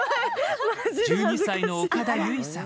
１２歳の岡田結実さん。